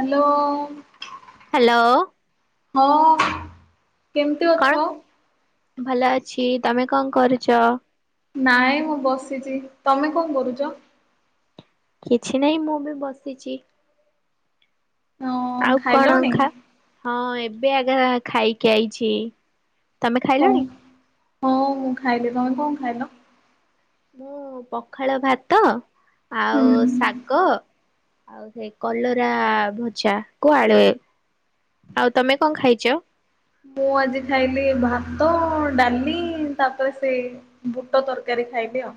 Hello. Hello. ହଁ କେମତି କଣ ଅଛ? ଭଲ ଅଛି ତମେ କଣ କରୁଛ? ନାଇଁ ମୁଁ ବସିଛି ତମେ କଣ କରୁଛ? କିଛି ନାହିଁ ମୁଁ ବି ବସିଛି। ହଁ ଆଉ କଣ ଖାଇଲଣି ଖା ହଁ ଏବେ ଏବେ ଆଗ ଖାଇକି ଆଇଛି ତମେ କଣ ଖାଇଲଣି? ହଁ ମୁଁ ଖାଇଲି ତମେ କଣ ଖାଇଲ? ମୁଁ ପଖାଳ ଭାତ ହୁଁ ଆଉ ଶାଗ ଆଉ ସେଇ କଲରା ଭଜା କୁ ଆଳୁ। ଆଉ ତମେ କଣ ଖାଇଚ? ମୁଁ ଆଜି ଖାଇଲି ଭାତ, ଡାଲି ତାପରେ ସେ ବୁଟ ତରକାରୀ। ଖାଇଲି ଆଉ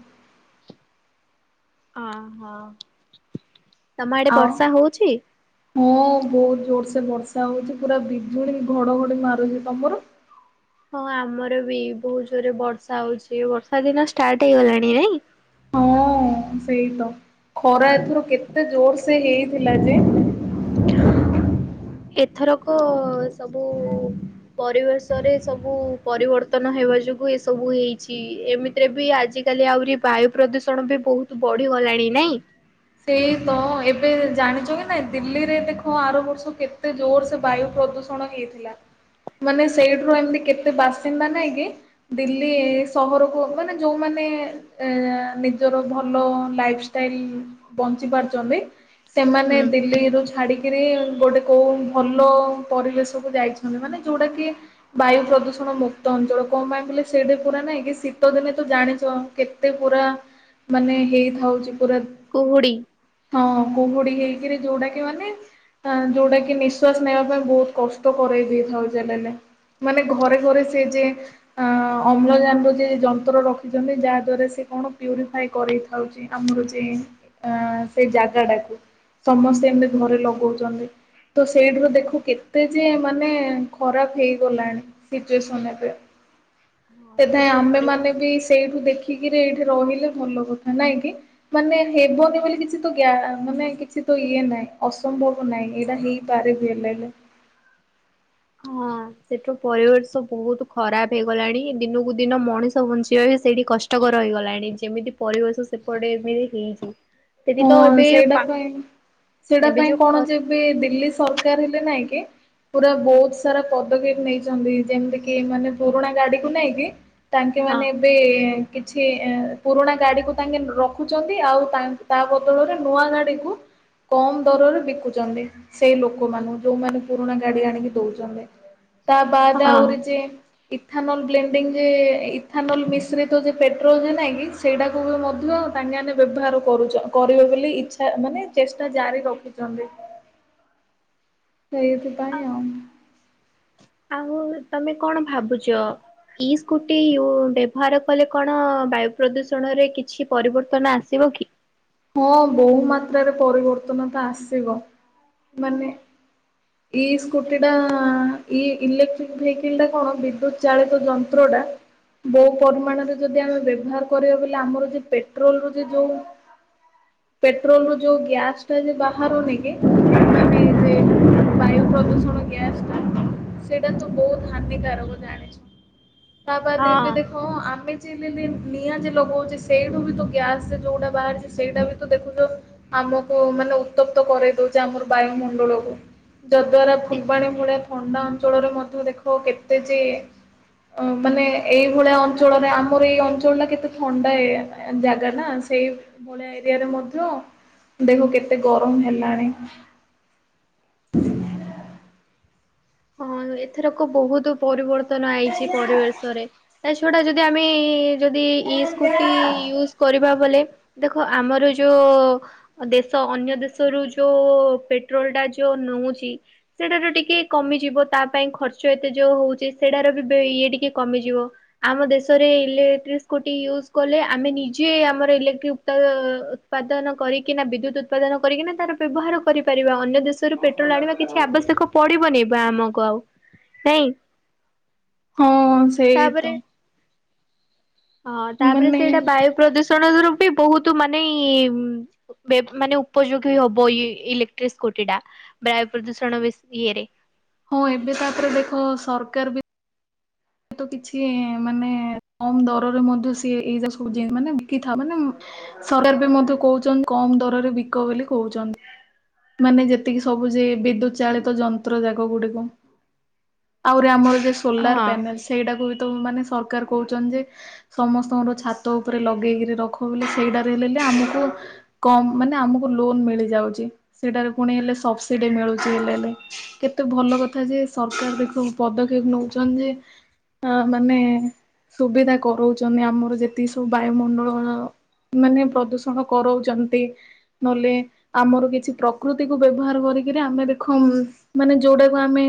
ଅ ହଁ ତମ ଆଡେ ଆଉ ବର୍ଷା ହଉଛି? ହଁ ବହୁତ ଜୋରସେ ବର୍ଷା ହଉଛି ପୁରା ବିଜୁଳି, ଘଡଘଡି ମାରୁଛି ତମର? ହଁ ଆମର ବି ବହୁତ ଜୋରେ ବର୍ଷା ହଉଛି ବର୍ଷା ଦିନ ଷ୍ଟାର୍ଟ ହେଇଗଲାଣି ନାଇଁ? ହଁ ସେଇ ତ ଖରା ଏଥର କେତେ ଜୋର ସେ ହେଇ ଥିଲା ଯେ ଏଥରକ ସବୁ ପରିବେଶରେ ସବୁ ପରିବର୍ତ୍ତନ ହେବା ଯୋଗ ଏସବୁ ହେଇଛି ଏମିତିରେ ବି ଆଜିକାଲି ଆହୁରି ବାୟୁ ପ୍ରଦୂଷଣ ବି ବହୁତ ବଢିଗଲାଣି। ନାଇଁ? ସେଇ ତ ଏବେ ଜାଣିଛ କି ନାଇ ଦିଲ୍ଲୀରେ ଦେଖ ଆର ବର୍ଷ କେତେ ଜୋର ସେ ବାୟୁ ପ୍ରଦୂଷଣ ହେଇଥିଲା। ମାନେ ସେଇଠୁ ଏମିତି କେତେ ବାସିନ୍ଦା ନାଇଁ କି ଦିଲ୍ଲୀ ସହରକୁ ମାନେ ଯୋଉଁମାନେ ମାନେ ଅଂ ନିଜର ଭଲ ଲାଇଫଷ୍ଟାଇଲ ବଞ୍ଚି ପାରୁଛନ୍ତି ସେମାନେ ହୁଁ। ଦିଲ୍ଲୀରୁ ଛାଡିକି ଗୋଟେ କୋଉଁ ଭଲ ପରିବେଶ କୁ ଯାଇଛନ୍ତି ମାନେ ଯୋଉଁଟା କି ବାୟୁ ପ୍ରଦୂଷଣ ଣ ମୁକ୍ତ ଅଞ୍ଚଳ କଣ ପାଇଁ ବଲେ ସେଇଟି ପୁରା ନାଇଁ କି ଶୀତ ଦିନେ ତ ଜାଣିଛ କେତେ ପୁରା ମାନେ ହେଇଥାଉଛି ପୁରା ଉଡି ହଁ କୁହୁଡି ହେଇକିରି ଯୋଉଁଟାକି ମାନେ ଯୋଉଁଟା କି ନିଶ୍ଵାସ ନେବା ପାଇଁ ବହୁତ କଷ୍ଟ କରରେଇ ଦେଇଥାଉ ଯେଡେ ମାନେ ଘରେ ଘରେ ସେ ଯେ ଅମ୍ଳଜାନ ର ଯନ୍ତ୍ର ରଖିଛନ୍ତି ଯାହା ଦ୍ୱାରା ସେ କଣ ପ୍ୟୁରିଫାଇ କରେଇଥାଉଛି ଆମର ଯ ସେଇ ଜାଗାଟାକୁ ସମସ୍ତେ ଏମିତି ଘରେ ଲଗଉଛନ୍ତି। ତ ସେଇଠୁ ହଁ ଦେଖୁ କେତେ ଯେ ମାନେ ଖରାପ ହେଇଗଲାଣି ସିଚୁଏସନ ଏବେ ହଁ ସେଥାଇଁ ସେଠୁ ଆମେ ପରିବେଶ ମାନେ ବି ସେଇଠୁ ଦେଖି ଦେଖିକିରି ଏଇଠି ରହିଲେ ଭଲ କଥା ନାଇଁ କିି ମାନେ ହେବନି ବୋଲି କିଛି ତ ମାନେ କିଛି ତ ଇଏ ନାହିଁ ଅସମ୍ଭବ ନାହିଁ ଏଇଟା ହେଇପାରେ ବି ହେଲେ [inaudible] [inaudible] ସେଠୁପରିବେଶ ବହୁତ ଖରାପ ହେଇଗଲାଣି ଦିନକୁ ଦିନ ମଣିଷ ବଞ୍ଚିବା ବି ସେଇଠି କଷ୍ଟକର ହେଇଗଲାଣି ଯେମିତି ପରିବେଶ ସେପଟେ ଏମିତି ହେଇଛି। ସେଠି ତ ହଁ ଏବେ ସେଇଟା ପା ପାଇଁ ସେଇଟା ଏବେ ପାଇଁ ଯୋଉ କଣ ଖରା ଯେବେ ଦିଲ୍ଲୀ ସରକାରୀ ହେଲେ ନହିଁ କେ ପୁରା ବହୁତ ସାରା ପଦକ୍ଷେପ ନେଇଛନ୍ତି ଯେମିତି କି ମାନେ ପୁରୁଣା ଗାଡିକୁ ନେଇଁ କି ତାଙ୍କେ ହଁ ମାନେ ଏବେ କିଛି ପୁରୁଣା ଗାଡିକୁ ତାଙ୍କେ ରଖୁଛନ୍ତି ଆଉ ତା ତା ବଦଳରେ ନୂଆ ଗାଡିକୁୁ କମ ଦରରେ ବିକୁଛନ୍ତି ସେଇ ଲୋକ ମାନଙ୍କୁ ଯୋଉଁମାନେ ପୁରୁଣା ଗାଡି ଆଣିକି ଦଉଛନ୍ତି। ତା ବାଦ ହଁ ଆହୁରି ଯେ ଇଥାନଲ ବ୍ଲେଡିଙ୍ଗ ଯେ ଇଥାନଲ ମିଶ୍ରିତ ଯେ ପେଟ୍ରୋଲ ଯେ ନାଇଁ କି ସେଇଟାକୁ ବି ମଧ୍ୟ ତାଙ୍କେ ମାନେ ବ୍ୟବହାର କରୁ କରିବେ ବୋଲି ଇଚ୍ଛା ମାନେ ଚେଷ୍ଟା ଜାରି ରଖିଛନ୍ତି। ସେଇଥି ଆ ପାଇଁ ଆଉ। ଆଉ ତମେ କଣ ଭାବୁଛ? ଇ ସ୍କୁଟି ବ୍ୟବହାର କଲେ କଣ ବାୟୁ ପ୍ରଦୂଷଣରେ କିଛି ପରିବର୍ତ୍ତନ ଆସିବ। ବକି [unintelligible] ହଁ ବହୁ ମାତ୍ରାରେ ପରିବର୍ତ୍ତନ ତ ଆସିବ ମାନେ ଏ ସ୍କୁଟିଟା ଇ ଇଲେକ୍ଟ୍ରିକ ଭେକିଲି ଟା କଣ ବିଦ୍ୟୁତ ଚାଳିତ ଯନ୍ତ୍ର ଟା ବୋ ପରିମାଣରେ ଯଦି ଆମେ ବ୍ୟବହାର କରିବା ବୋଇଲେ ଆମର ଯ ପେଟ୍ରୋଲ ର ଯ ଯୋଉଁ ପେଟ୍ରୋଲ ର ଯୋଉଁ ଗ୍ୟାସ ଟା ଯେ ବାହାରୁନ କି ମାନେ ବାୟୁ ପ୍ରଦୂଷଣ ଗ୍ୟାସ ସେଇଟା ତ ବହୁତ ହାନିକାରକ ଜାଣିଛ। ତାପଦ ଏବେ ଦେଖ ହଁ। ଆମେ ନିଆଁ ଯେ ଲଗଉଛି ସେଇଠୁ ବି ତ ଗ୍ୟାସରେ ଯୋଉଁଟା ବାହାରୁଚି। ସେଇଟା ବି ତ ଦେଖୁଛ ଆମକୁ ମାନେ ଉତ୍ତପ୍ତ କରଇ ଦଉଛି ଆମର ବାୟୁମଣ୍ଡଳକୁ ଯଦ୍ଵାରା ଫୁଲବାଣୀ ଭଳିଆ ଥଣ୍ଡା ଅଞ୍ଚଳରେ ମଧ୍ୟ ଦେଖ କେତେ ଯେ ଅ ମାନେ ଏଇଭଳିଆ ଅଞ୍ଚଳରେ ଆମର ଏଇ ଅଞ୍ଚଳ ଟା କେତେ ଥଣ୍ଡା ଜାଗା ନା ସେଇ ଭଳିଆ ଏରିଆରେ ମଧ୍ୟ ଦେଖ କେତେ ଗରମ ହେଲାଣି। [inaudible] ହଁ ଏଥରକ ବହୁତ ପରିବର୍ତ୍ତନ ହେଇଛି ପରିବେଶ ରେ ତା ଛୁଡା ଯଦି ଆମେ ଯଦି ଇ ସ୍କୁଟି ୟୁଜ କରିବା ବଲେ ଦେଖ ଆମର ଯୋଉଁ ଦେଶ ଅନ୍ୟ ଦେଶରୁ ଯୋଉଁ ପେ ପେଟ୍ରୋଲ ଟା ଯୋଉଁ ନେଉଛି ସେଟାରୁ ଟିକେ କମିଯିବ ତା ପାଇଁ ଖର୍ଚ୍ଚ ଏତେ ଯୋଉଁ ହଉଛି ସେଟାର ବି ଇଏ ଟିକେ କମିଯିବ ଆମ ଦେଶରେ ଇଲେଟ୍ରି ସ୍କୁଟି ୟୁଜ କଲେ ଆମେ ନିଜେ ଆମର ଇଲେଟ୍ର ଉପ୍ତା ଉତ୍ପାଦନ କରିକି ନା ବିଦ୍ୟୁତ ଉତ୍ପାଦନ କରିକିନା ତାର ବ୍ୟବହାର କରିପାରିବା। ଅନ୍ୟ ଦେଶରୁ ପେଟ୍ରୋଲ ଆଣିବା କିଛି ଆବଶ୍ୟକ ପଡିବନି ବା ଆମକୁ ଆଉ ନାଇଁ। ହଁ ସେଇ ତାପରେ ତ। ହଁ ତାପରେ ମାନେ ସେଇଟା ବାୟୁ ପ୍ରଦୂଷଣ ର ବି ବହୁତ ମାନେ ମାନେ ଉପଯୋଗୀ ହବ ଇ ଇଲେକ୍ଟ୍ରିକ ସ୍କୁଟି ଟା ବାୟୁ ପ୍ରଦୂଷଣ ବେଶି ଇଏରେ। ହଁ ଏବେ ତାପରେ ଦେଖ ସରକାର ବି ତ କିଛି ମାନେ କମ ଦରରେ ମଧ୍ୟ ସେଏ ଏଇ ଯା ସବୁ ମାନେ ବିକିଥା ମାନେ ସରକାର ବି ମଧ୍ୟ କହୁଛନ୍ତି କମ ଦରରେ ବିକ ବୋଲି କହୁଛନ୍ତି। ମାନେ ଯେତିକି ସବୁ ଯେ ବିଦ୍ୟୁତ ଚାଳିତ ଯନ୍ତ୍ର ଯାକ ଗୁଡିକୁ ଆହୁରି ଆମର ଯ ସୋଲାର ହଁ ପ୍ୟାନେଲ ସେଇଟାକୁ ବି ତ ମାନେ ସରକାର କହୁଛନ୍ତି ଯେ ସମସ୍ତଙ୍କର ଛାତ ଉପରେ ଲଗେଇକିରି ରଖ ବୋଲି ସେଇଟାରେ ହେଲେ ଆମକୁ କମ ମାନେ ଆମକୁ ଲୋନ ମିଳିଯାଉଛି ସେଟାରେ ପୁଣି ହେଲେ ସବସିଡି ମିଳୁଛି। କେତେ ଭଲ କଥା ଯେ ସରକାର ବି ସବୁ ପଦକ୍ଷେପ ନେଉଚନ୍ତି ଯେ ଅ ମାନେ ସୁବିଧା କରାଉଛନ୍ତି ଆମର ଯେତିକି ସବୁ ବାୟୁମଣ୍ଡଳ ମାନେ ପ୍ରଦୂଷଣ କରଉଛନ୍ତି। ବଲେ ଆମର କିଛି ପ୍ରକୃତିକୁୁ ବ୍ୟବହାର କର ଆମେ ଦେଖ ମାନେ ଯୋଉଟାକୁ ଆମେ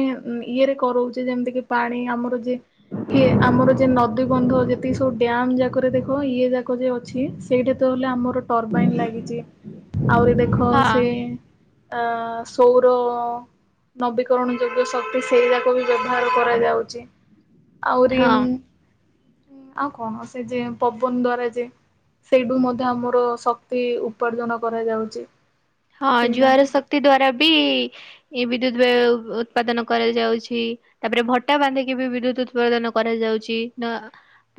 ଇଏରେ କରାଉଛେ ଯେମିତି କି ପାଣି ଆମର ଜ [unintelligible] କିଏ ଆମର ଯେ ନଦୀ ଗନ୍ଧ ଯେତିକି ସବୁ ଡ୍ୟାମ ଯାକରେ ଦେଖ ଇଏ ଯାକ ଯ ଅଛି ସେଇଟା ତ ଆମର ଟର୍ବାଇନ ଲାଗିଛି ଆହୁରି ଦେଖ ହଁ ସେ ଆ ସଉର ନବୀକରଣ ଯୋଗ୍ୟ ଶକ୍ତି ସେଇରା କ ବି ବ୍ୟବହାର କରାଯାଉଛି। ଆହୁରି ହଁ ଆଉ କଣ ସେ ଯେ ପବନ ଦ୍ଵାରା ଯେ ସେଇଠୁ ମଧ୍ୟ ଆମର ଶକ୍ତି ଉପାର୍ଜନ କରାଯାଉଚି। ହଁ ଜୁଆର ଶକ୍ତି ଦ୍ୱାରା [inaudible] ଏ ବିଦ୍ୟୁତ ଉତ୍ପାଦନ କରାଯାଉଛି। ତାପରେ ଭଟା ବାନ୍ଧିକି ବି ବିଦ୍ୟୁତ ଉତ୍ପାଦନ କରାଯାଉ ଯାଉଛି ନା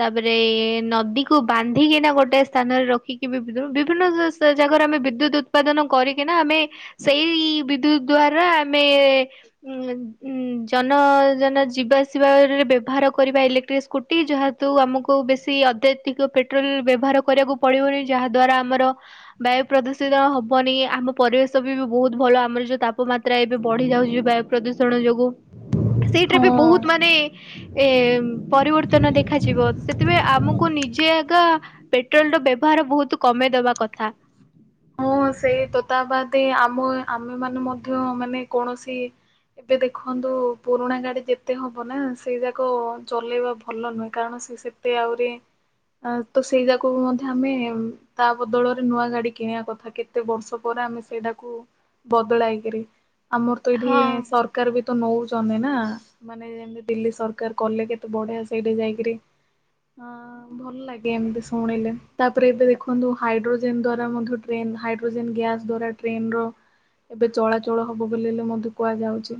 ତାପରେ ନଦୀକୁ ବାନ୍ଧିକିନା ଗୋଟେ ସ୍ଥାନରେ ରଖିକି ବି ବିଭିନ୍ନ ଜାଗାରେ ଆମେ ବିଦ୍ୟୁତ୍ ଉତ୍ପାଦନ କରିକିନା ଆମେ ସେଇ ବିଦ୍ୟୁତ ଦ୍ୱାରା ଆମେ ଉଁ ଉଁ ଯ ଯ ଯିବା ଆସିବାରେ ବ୍ୟବହାର କରିବା ଇଲେକ୍ଟ୍ରିକ ସ୍କୁଟି ଯାହାତୁ ଆମକୁ ବେଶୀ ଅଧ [unintelligible] ପେଟ୍ରୋଲ ବ୍ୟବହାର କରିବାକୁ ପଡ଼ିବନି ଯାହା ଦ୍ଵାରା ଆମର ବାୟୁ ପ୍ରଦୂଷିତ ହବ ପରି ଆମ ପରିବେଶ ବି ବହୁତ ଭଲ ଆମର ଯୋଉଁ ତାପମାତ୍ରା ଏବେ ବଢ଼ି ଯାଉଛି ବାୟୁ ପ୍ରଦୂଷଣ ଯୋଗୁଁ ସେଇଟି ଏବେ ବହୁତ ହଁ। ମାନେ ଏ ପରିବର୍ତ୍ତନ ଦେଖାଯିବ ସେଥିପାଇଁ ଆମକୁ ନିଜେ ଆଗା ପେଟ୍ରୋଲ ର ବ୍ୟବହାର ହାର ବହୁତ କମେଇ ଦବା କଥା। [inaudible] ସେଇତ ତା ବାଦ ଆମ ଆମେ ମାନେ ମଧ୍ୟ ମାନେ କୌଣସି ଏବେ ଦେଖନ୍ତୁ ପୁରୁଣା ଗାଡ଼ି ଯେତେ ହବ ନା ସେଇ ଯାକ ଚଲେଇବା ଭଲ ନୁହେଁ କାରଣ ସିଏ ସେତେ ଆହୁରି ତ ସେଇ ଯାକକୁ ମଧ୍ୟ ଆମେ ତା ବଦଳରେ ନୂଆ ଗାଡ଼ି କିଣିବା କଥା କେତେ ବର୍ଷ ପରେ ଆମେ ସେଇଟାକୁ ବଦଳାଇ କିରି ଆମର ତ ଏଇଠି ହଁ ସରକାର ବି ତ ନଉଛନ୍ତି ନା ମାନେ ଯେମିତି ଦିଲ୍ଲୀ ସରକାର କଲେ କେତେ ବଢ଼ିଆ ସେଇଠି ଯାଇକିରି ହଁ ଭଲ ଲାଗେ ଏମିତି ଶୁଣିଲେ ତାପରେ ଏବେ ଦେଖନ୍ତୁ ହାଇଡ୍ରୋଜେନ ଦ୍ଵାରା ମଧ୍ୟ ଟ୍ରେନ ହାଇଡ୍ରୋଜେନ ଗ୍ୟାସ୍ ଦ୍ଵାରା ଟ୍ରେନ ର ଏବେ ଚଳାଚଳ ହବ ବଲେ ମଧ୍ୟ କୁହାଯାଉଛି।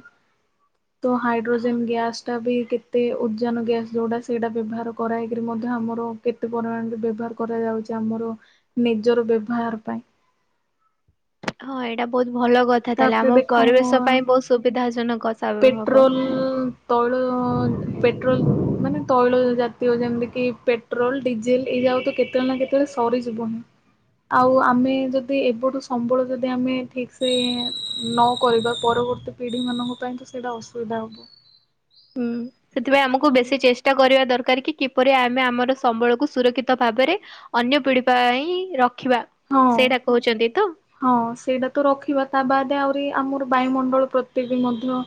ତ ହଁ ହାଇଡ୍ରୋଜେନ ଗ୍ୟାସ ଟା ବି କେ ଏବେ ଉଜେନ ଗ୍ୟାସ୍ ଯୋଉଁଟା ସେଇଟା ବ୍ୟବହାର କରାଯାଇକିରି ମଧ୍ୟ ଆମର କେତେ ପରିମାଣରେ ବ୍ୟବହାର କରାଯାଉଚି। ଆମର ନିଜର ବ୍ୟବହାର ପାଇଁ ହଁ ଏଇଟା ବହୁତ ଭଲ କଥା ତାହାଲେ ତାପରେ ଆମ ଦେଖ ପରିବେଶ ପାଇଁ ବହୁତ ସୁବିଧା ଜନକ ପେଟ୍ରୋଲ ତଳୁ ପେଟ୍ରୋଲ ମାନେ ତୈଳ ଜାତୀୟ ଯେମିତି କି ପେଟ୍ରୋଲ ଡିଜେଲ ଏଇ [unintelligible] ତ କେତେ ନା କେତେ ସରି ଯିବନି। ଆଉ ଆମେ ଯଦି ଏବେଠୁ ସମ୍ବଳ ଯଦି ଆମେ ଠିକ ସେ ନ କରିବା ପର ପରବର୍ତ୍ତୀ ପିଢ଼ି ମାନଙ୍କ ପାଇଁ କି ସେଇଟା ଅସୁବିଧା ହବ। ହୁଁ ସେଥିପାଇଁ ଆମକୁ ବେଶୀ ଚେଷ୍ଟା କରିବା ଦରକାର କି କିପରି ଆମେ ଆମର ସମ୍ବଳକୁୁ ସୁରକ୍ଷିତ ଭାବରେ ଅନ୍ୟ ପିଢ଼ି ପାଇଁ ର ହଁ ହଁ ସେଇଟା ତ ରଖିବା ତା ବାଦ ଆଉ ଆମର ବାୟୁମଣ୍ଡଳ ପ୍ରତି ବି ମଧ୍ୟ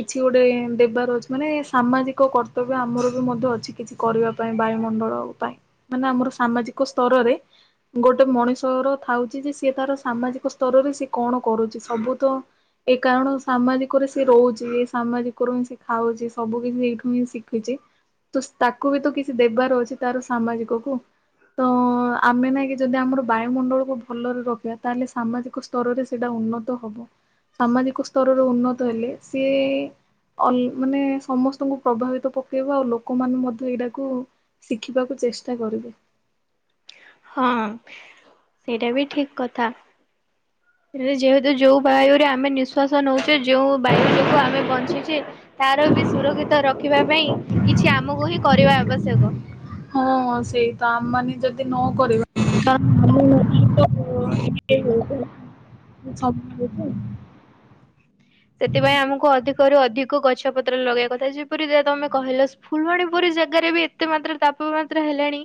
କିଛି ଗୋଟେ ଦେବାର ଅଛି ମାନେ ସାମାଜିକ କ କର୍ତ୍ତବ୍ୟ ଆମର ବି ମଧ୍ୟ ଅଛି। କିଛି କରିବା ପାଇଁ ବାୟୁମଣ୍ଡଳ ପାଇଁ ମାନେ ଆମର ସାମାଜିକ ସ୍ତରରେ ଗୋଟେ ମଣିଷର ଥାଉଛି ଯେ ସିଏ ତାର ସାମାଜିକ ସ୍ତରରେ ସିଏ କଣ କରୁଛି ସବୁ ତ ଏ କାରଣ ସାମାଜିକରେ ସେ ରହୁଛି ସାମାଜିକରୁ ହିଁ ସେ ଖାଉଛି ସବୁ କିଛି ଏଇଠୁ ହିଁ ଶିଖୁଚି। ତ ତାକୁ ବି ତ କିଛି ଦେବାର ଅଛି ତାର ସାମାଜିକ କୁ ତ ଆମେ ନାଇଁ କି ଯେବେ ଆମର ବାୟୁମଣ୍ଡଳକୁ ଭଲରେ ରଖିବା ତାହେଲେ ସାମାଜିକ ସ୍ତରରେ ସେଇଟା ଉନ୍ନତ ହବ। ସାମାଜିକ ସ୍ତରରେ ଉନ୍ନତ ହେଲେ ସିଏ ମାନେ ସମସ୍ତଙ୍କୁ ପ୍ରଭାବିତ ପକେଇବ ଆଉ ଲୋକମାନେ ମଧ୍ୟ ଏଇଟାକୁ ଶିଖିବାକୁ ଚେଷ୍ଟା କରିବେ। ହଁ ସେଇଟା ବି ଠିକ କଥା। [inaudible] ଯେହେତୁ ଯୋଉଁ ବାୟୁରେ ଆମେ ନିଃଶ୍ଵାସ ନେଉଚେ ଯେଉଁ ବାୟୁ ଯୋଗୁଁ ଆମେ ବଞ୍ଚିଚେ ତାର ସୁରକ୍ଷିତ ରଖିବା ପାଇଁ କିଛି ଆମକୁ ହିଁ କରିବା ଆବଶ୍ୟକ। ହଁ ସେଇ ତ ଆମ ମାନ ଯଦି ନକରିବା। [inaudible] ସେଥିପାଇଁ ଆମକୁ ଅଧିକରୁ ଅଧି କ ଗଛ ପତ୍ର ଲଗେଇବା କଥା ଯେପରି ତମେ କହିଲ ଫୁଲବାଣୀ ପୁରୀ ଜାଗାରେ ବି ଏତେ ମାତ୍ର ତାପମାତ୍ରା। ହେଲାଣି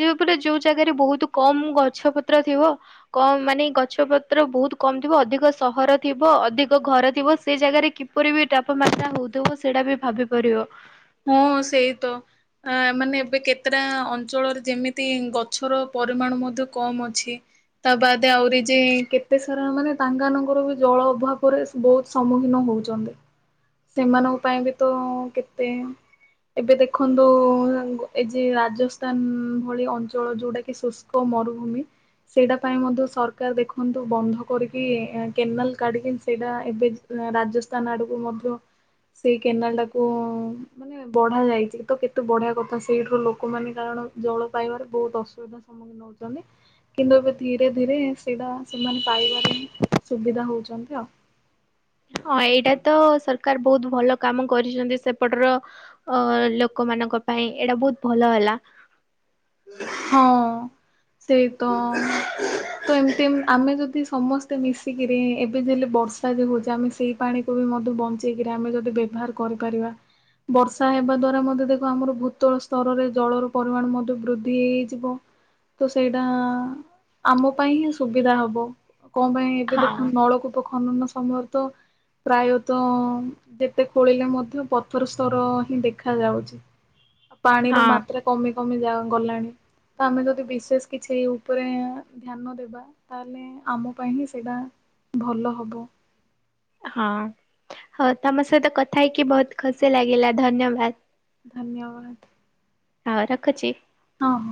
ଯେ ପୁରା ଯୋଉ ଜାଗାରେ ବହୁତ କମ ଗଛ ପତ୍ର ଥିବ କମ ମାନେ ଗଛ ପତ୍ର ବହୁତ କମ ଥିବ ଅଧିକ ସହର ଥିବ ଅଧିକ ଘର ଥିବ ସେ ଜାଗାରେ କିପରି ବି ତାପମାତ୍ରା ହଉଥିବ ସେଇଟା ବି ଭାବି ପାରିବ। ହଁ ସେଇ ତ। ଆ ମାନେ ଏବେ କେତେଟା ଅଞ୍ଚଳରେ ଯେମିତି ଗଛର ପରିମାଣ ମଧ୍ୟ କମ ଅଛି। ତା ବାଦ ଆହୁରି ଯେ କେତେ ସାରା ମାନେ ତାଙ୍କ ମାନଙ୍କର ବି ଜଳ ଅଭାବରେ ବହୁତ ସମ୍ମୁଖୀନ ହୁଏ। ହଉଛନ୍ତି ସେମାନଙ୍କ ପାଇଁ ବି ତ କେତେ ଏବେ ଦେଖନ୍ତୁ ଏ ଯେ ରାଜସ୍ଥାନ ଭଳି ଅଞ୍ଚଳ ଯୋଉଟା କି ଶୁଷ୍କ ମରୁଭୂମି ସେଇଟା ପାଇଁ ମଧ୍ୟ ସରକାର ଦେଖନ୍ତୁ ବନ୍ଧ କରିକି ଇ କେନାଲ କାଢିକି ସେଇଟା ଏବେ ରାଜସ୍ଥାନ ଆଡକୁ ମଧ୍ୟ ସେଇ କେନାଲ ଟାକୁ ଉ ମାନେ ବଢା ଯାଇଛି ତ କେତେ ବଢିଆ କଥା ସେଇଠୁ ଲୋକମାନେ କାରଣ ଜଳ ପାଇବାରେ ବହୁତ ଅସୁବିଧା ସମ୍ମୁଖୀନ ନଉଛନ୍ତି କିନ୍ତୁ ଏବେ ଧୀରେ ଧୀରେ ସେଇଟା ସେମାନେ ପାଇବାରେ ହିଁ ସୁବିଧା ହଉ କହୁଛନ୍ତି ଆଉ। ହଁ ଏଇଟା ତ ସରକାର ବହୁତ ଭଲ କାମ କରିଛନ୍ତି ସେପଟର ଅ ଲୋକମାନେ ମାନଙ୍କ ପାଇଁ ଏଇଟା ବହୁତ ଭଲ ହେଲା। ହଁ ସେଇ ତ ତ ଏମତି ଆମେ ଯଦି ସମସ୍ତେ ମିଶିକିରି ଏବେ ଯେଲେ ବର୍ଷା ଯେ ହଉଛି ଆମେ ସେଇ ପାଣିକୁ ବି ବଞ୍ଚେଇକିରି ଆମେ ଯଦି ବ୍ୟବହାର କରିପାରିବା। ବର୍ଷା ହେବା ଦ୍ଵାରା ମଧ୍ୟ ଦେଖ ଆମର ଭୂତଳ ସ୍ତରରେ ଜଳର ପରିମାଣ ମଧ୍ୟ ବୃଦ୍ଧି ହେଇଯିବ। ତ ସେଇଟା ଆମ ପାଇଁ ହିଁ ସୁବିଧା ହବ। କଣ ପାଇଁ ଏବେ ହଁ ଦେଖନ୍ତୁ ନଳକୂପ ଖନନ ସମୟରେ ତ ପ୍ରାୟତଃ ଯେତେ ଖୋଳିଲେ ମଧ୍ୟ ପଥର ସ୍ତର ହିଁ ଦେଖା ଯାଉଛି। ଆଉ ପାଣିର ହଁ ମାତ୍ରା କମି କମି ଯ ଗଲାଣି। ତ ଆମେ ଯଦି ବିଶେଷ କିଛି ଉପରେ ଧ୍ୟାନ ଦେବା ତାହେଲେ ଆମ ପାଇଁ ହିଁ ସେଇଟା ଭଲ ହବ। ହଁ ହଉ ତମ ସହିତ କଥା ହେଇକି ବହୁତ ଖୁସି ଲାଗିଲା ଧନ୍ୟବାଦ। ଧନ୍ୟବାଦ। ହଁ ରଖୁଛି। ହ ହ।